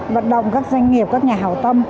vận động các doanh nghiệp các nhà hào tâm